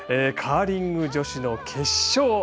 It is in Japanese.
カーリング女子の決勝